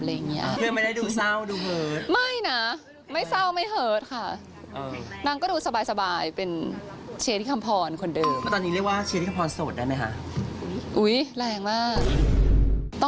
เพื่อนไม่ได้ดูเศร้าดูเฮิร์ท